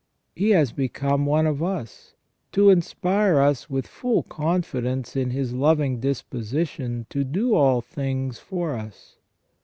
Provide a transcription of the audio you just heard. He has become one of us, to inspire us with full confidence in His loving disposition to do all things for us.